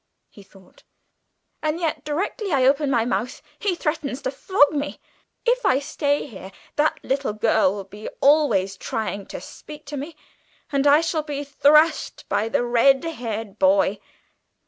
he thought; "and yet directly I open my mouth, he threatens to flog me. If I stay here, that little girl will be always trying to speak to me, and I shall be thrashed by the red haired boy.